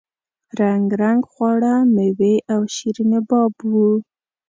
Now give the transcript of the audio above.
رنګ رنګ خواړه میوې او شیریني باب وو.